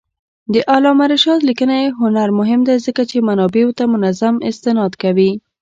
د علامه رشاد لیکنی هنر مهم دی ځکه چې منابعو ته منظم استناد کوي.